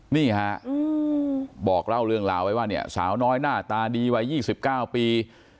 นี่ฮะบอกเล่าเรื่องราวไว้ว่าเนี่ยสาวน้อยหน้าตาดีวัย๒๙ปี